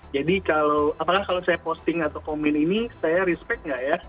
jadi apakah kalau saya posting atau komen ini saya respect nggak ya